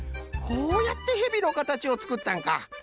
こうやってヘビのかたちをつくったんか！